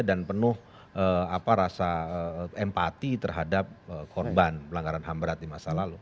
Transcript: dan penuh apa rasa empati terhadap korban pelanggaran ham berat di masa lalu